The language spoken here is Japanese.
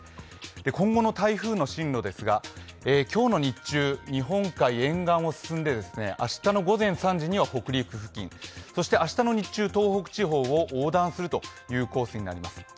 今後の台風の進路ですが、今日の日中、日本海沿岸を進んで明日の午前３時には北陸付近、そして明日の日中、東北地方を横断するコースになります。